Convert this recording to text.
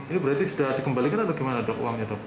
ini berarti sudah dikembalikan atau gimana dok uangnya dok